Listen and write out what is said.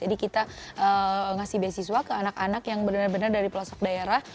jadi kita ngasih beasiswa ke anak anak yang benar benar dari pelosok daerah